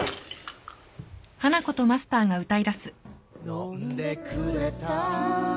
「飲んでくれた」